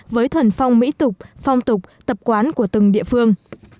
với thuần phong mỹ tục phong tục tập quán của từng địa phương